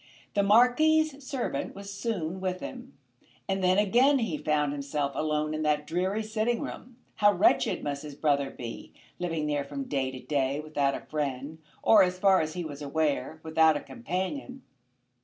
The Marquis's servant was soon with him, and then again he found himself alone in that dreary sitting room. How wretched must his brother be, living there from day to day without a friend, or, as far as he was aware, without a companion!